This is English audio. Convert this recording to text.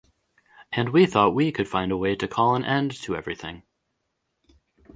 And we thought we could find a way to call an end to everything.